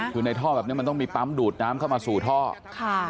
คือในท่อแบบนี้มันต้องมีปั๊มดูดน้ำเข้ามาสู่ท่อค่ะ